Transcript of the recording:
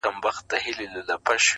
• لكه د دوو جنـــــــگ.